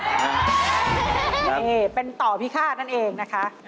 นี่เป็นต่อพิฆาตนั่นเองนะคะ